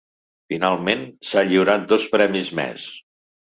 Finalment, s’ha lliurat dos premis més.